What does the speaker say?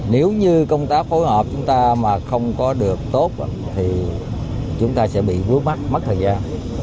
nếu như công tác phối hợp chúng ta mà không có được tốt thì chúng ta sẽ bị vướng mắt mất thời gian